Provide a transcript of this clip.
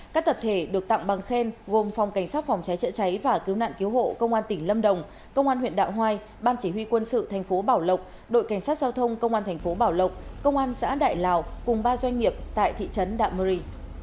các tập thể được tặng bằng khen gồm phòng cảnh sát phòng trái trợ cháy và cứu nạn cứu hộ công an tỉnh lâm đồng công an huyện đạo hoài ban chỉ huy quân sự tp bảo lộc đội cảnh sát giao thông công an tp bảo lộc công an xã đại lào cùng ba doanh nghiệp tại thị trấn đạo murray